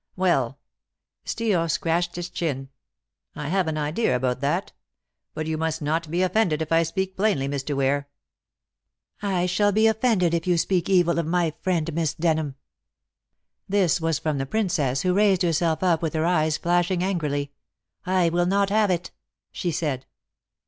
"Well," Steel scratched his chin "I have an idea about that. But you must not be offended if I speak plainly, Mr. Ware." "I shall be offended if you speak evil of my friend Miss Denham." This was from the Princess, who raised herself up with her eyes flashing angrily. "I will not have it," she said.